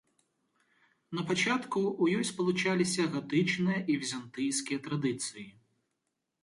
На пачатку ў ёй спалучаліся гатычныя і візантыйскія традыцыі.